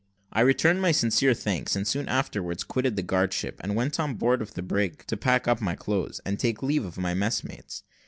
I returned my sincere thanks, and soon afterwards quitted the guardship, and went on board of the brig to pack up my clothes, and take leave of my messmates.